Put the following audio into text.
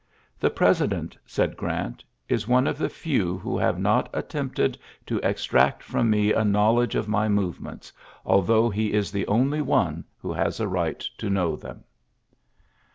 ^^The President," said Graut^ "is one of the few who have not attempted to extract from me a knowledge of my movements, although he is the only one who has a right to know them.'